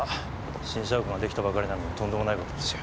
新社屋ができたばかりなのにとんでもない事ですよ。